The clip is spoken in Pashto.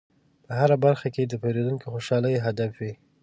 په هره برخه کې د پیرودونکي خوشحالي هدف وي.